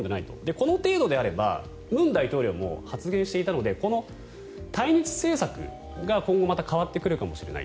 この程度であれば文大統領も発言していたので対日政策が今後また変わってくるかもしれない。